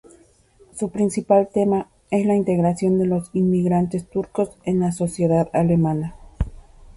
Su principal tema es la integración de los inmigrantes turcos en la sociedad alemana.